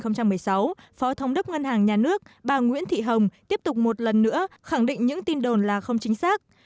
cho đến sáng ngày chín tháng một mươi hai năm hai nghìn một mươi sáu phó thông đức ngân hàng nhà nước bà nguyễn thị hồng tiếp tục một lần nữa khẳng định những tin đồn là không chính xác